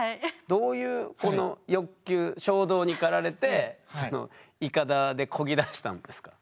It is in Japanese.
どういうこの欲求衝動に駆られてイカダでこぎ出したんですか？